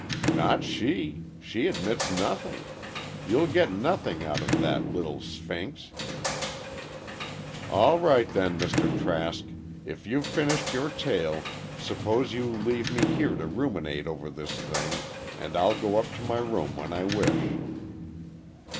"Not she! She admits nothing. You'll get nothing out of that little Sphinx!" "All right, then, Mr. Trask, if you've finished your tale, suppose you leave me here to ruminate over this thing, and I'll go up to my room when I wish."